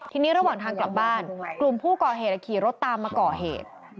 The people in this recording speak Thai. ทีนี้ระหว่างทางกลับบ้านกลุ่มผู้ก่อเหตุขี่รถตามมาก่อเหตุ